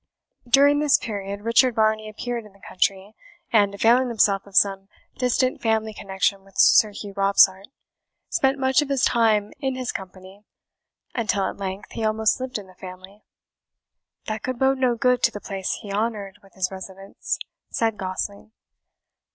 During this period, Richard Varney appeared in the country, and, availing himself of some distant family connection with Sir Hugh Robsart, spent much of his time in his company, until, at length, he almost lived in the family." "That could bode no good to the place he honoured with his residence," said Gosling.